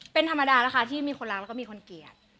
เป็นธรรมดานะคะที่มีคนรักแล้วก็มีคนเกลียด